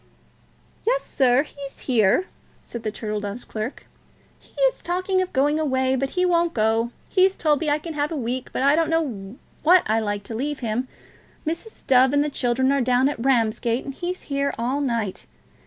"Yes, sir; he's here," said the Turtle Dove's clerk. "He is talking of going away, but he won't go. He's told me I can have a week, but I don't know that I like to leave him. Mrs. Dove and the children are down at Ramsgate, and he's here all night.